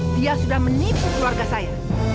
dia sudah menipu keluarga saya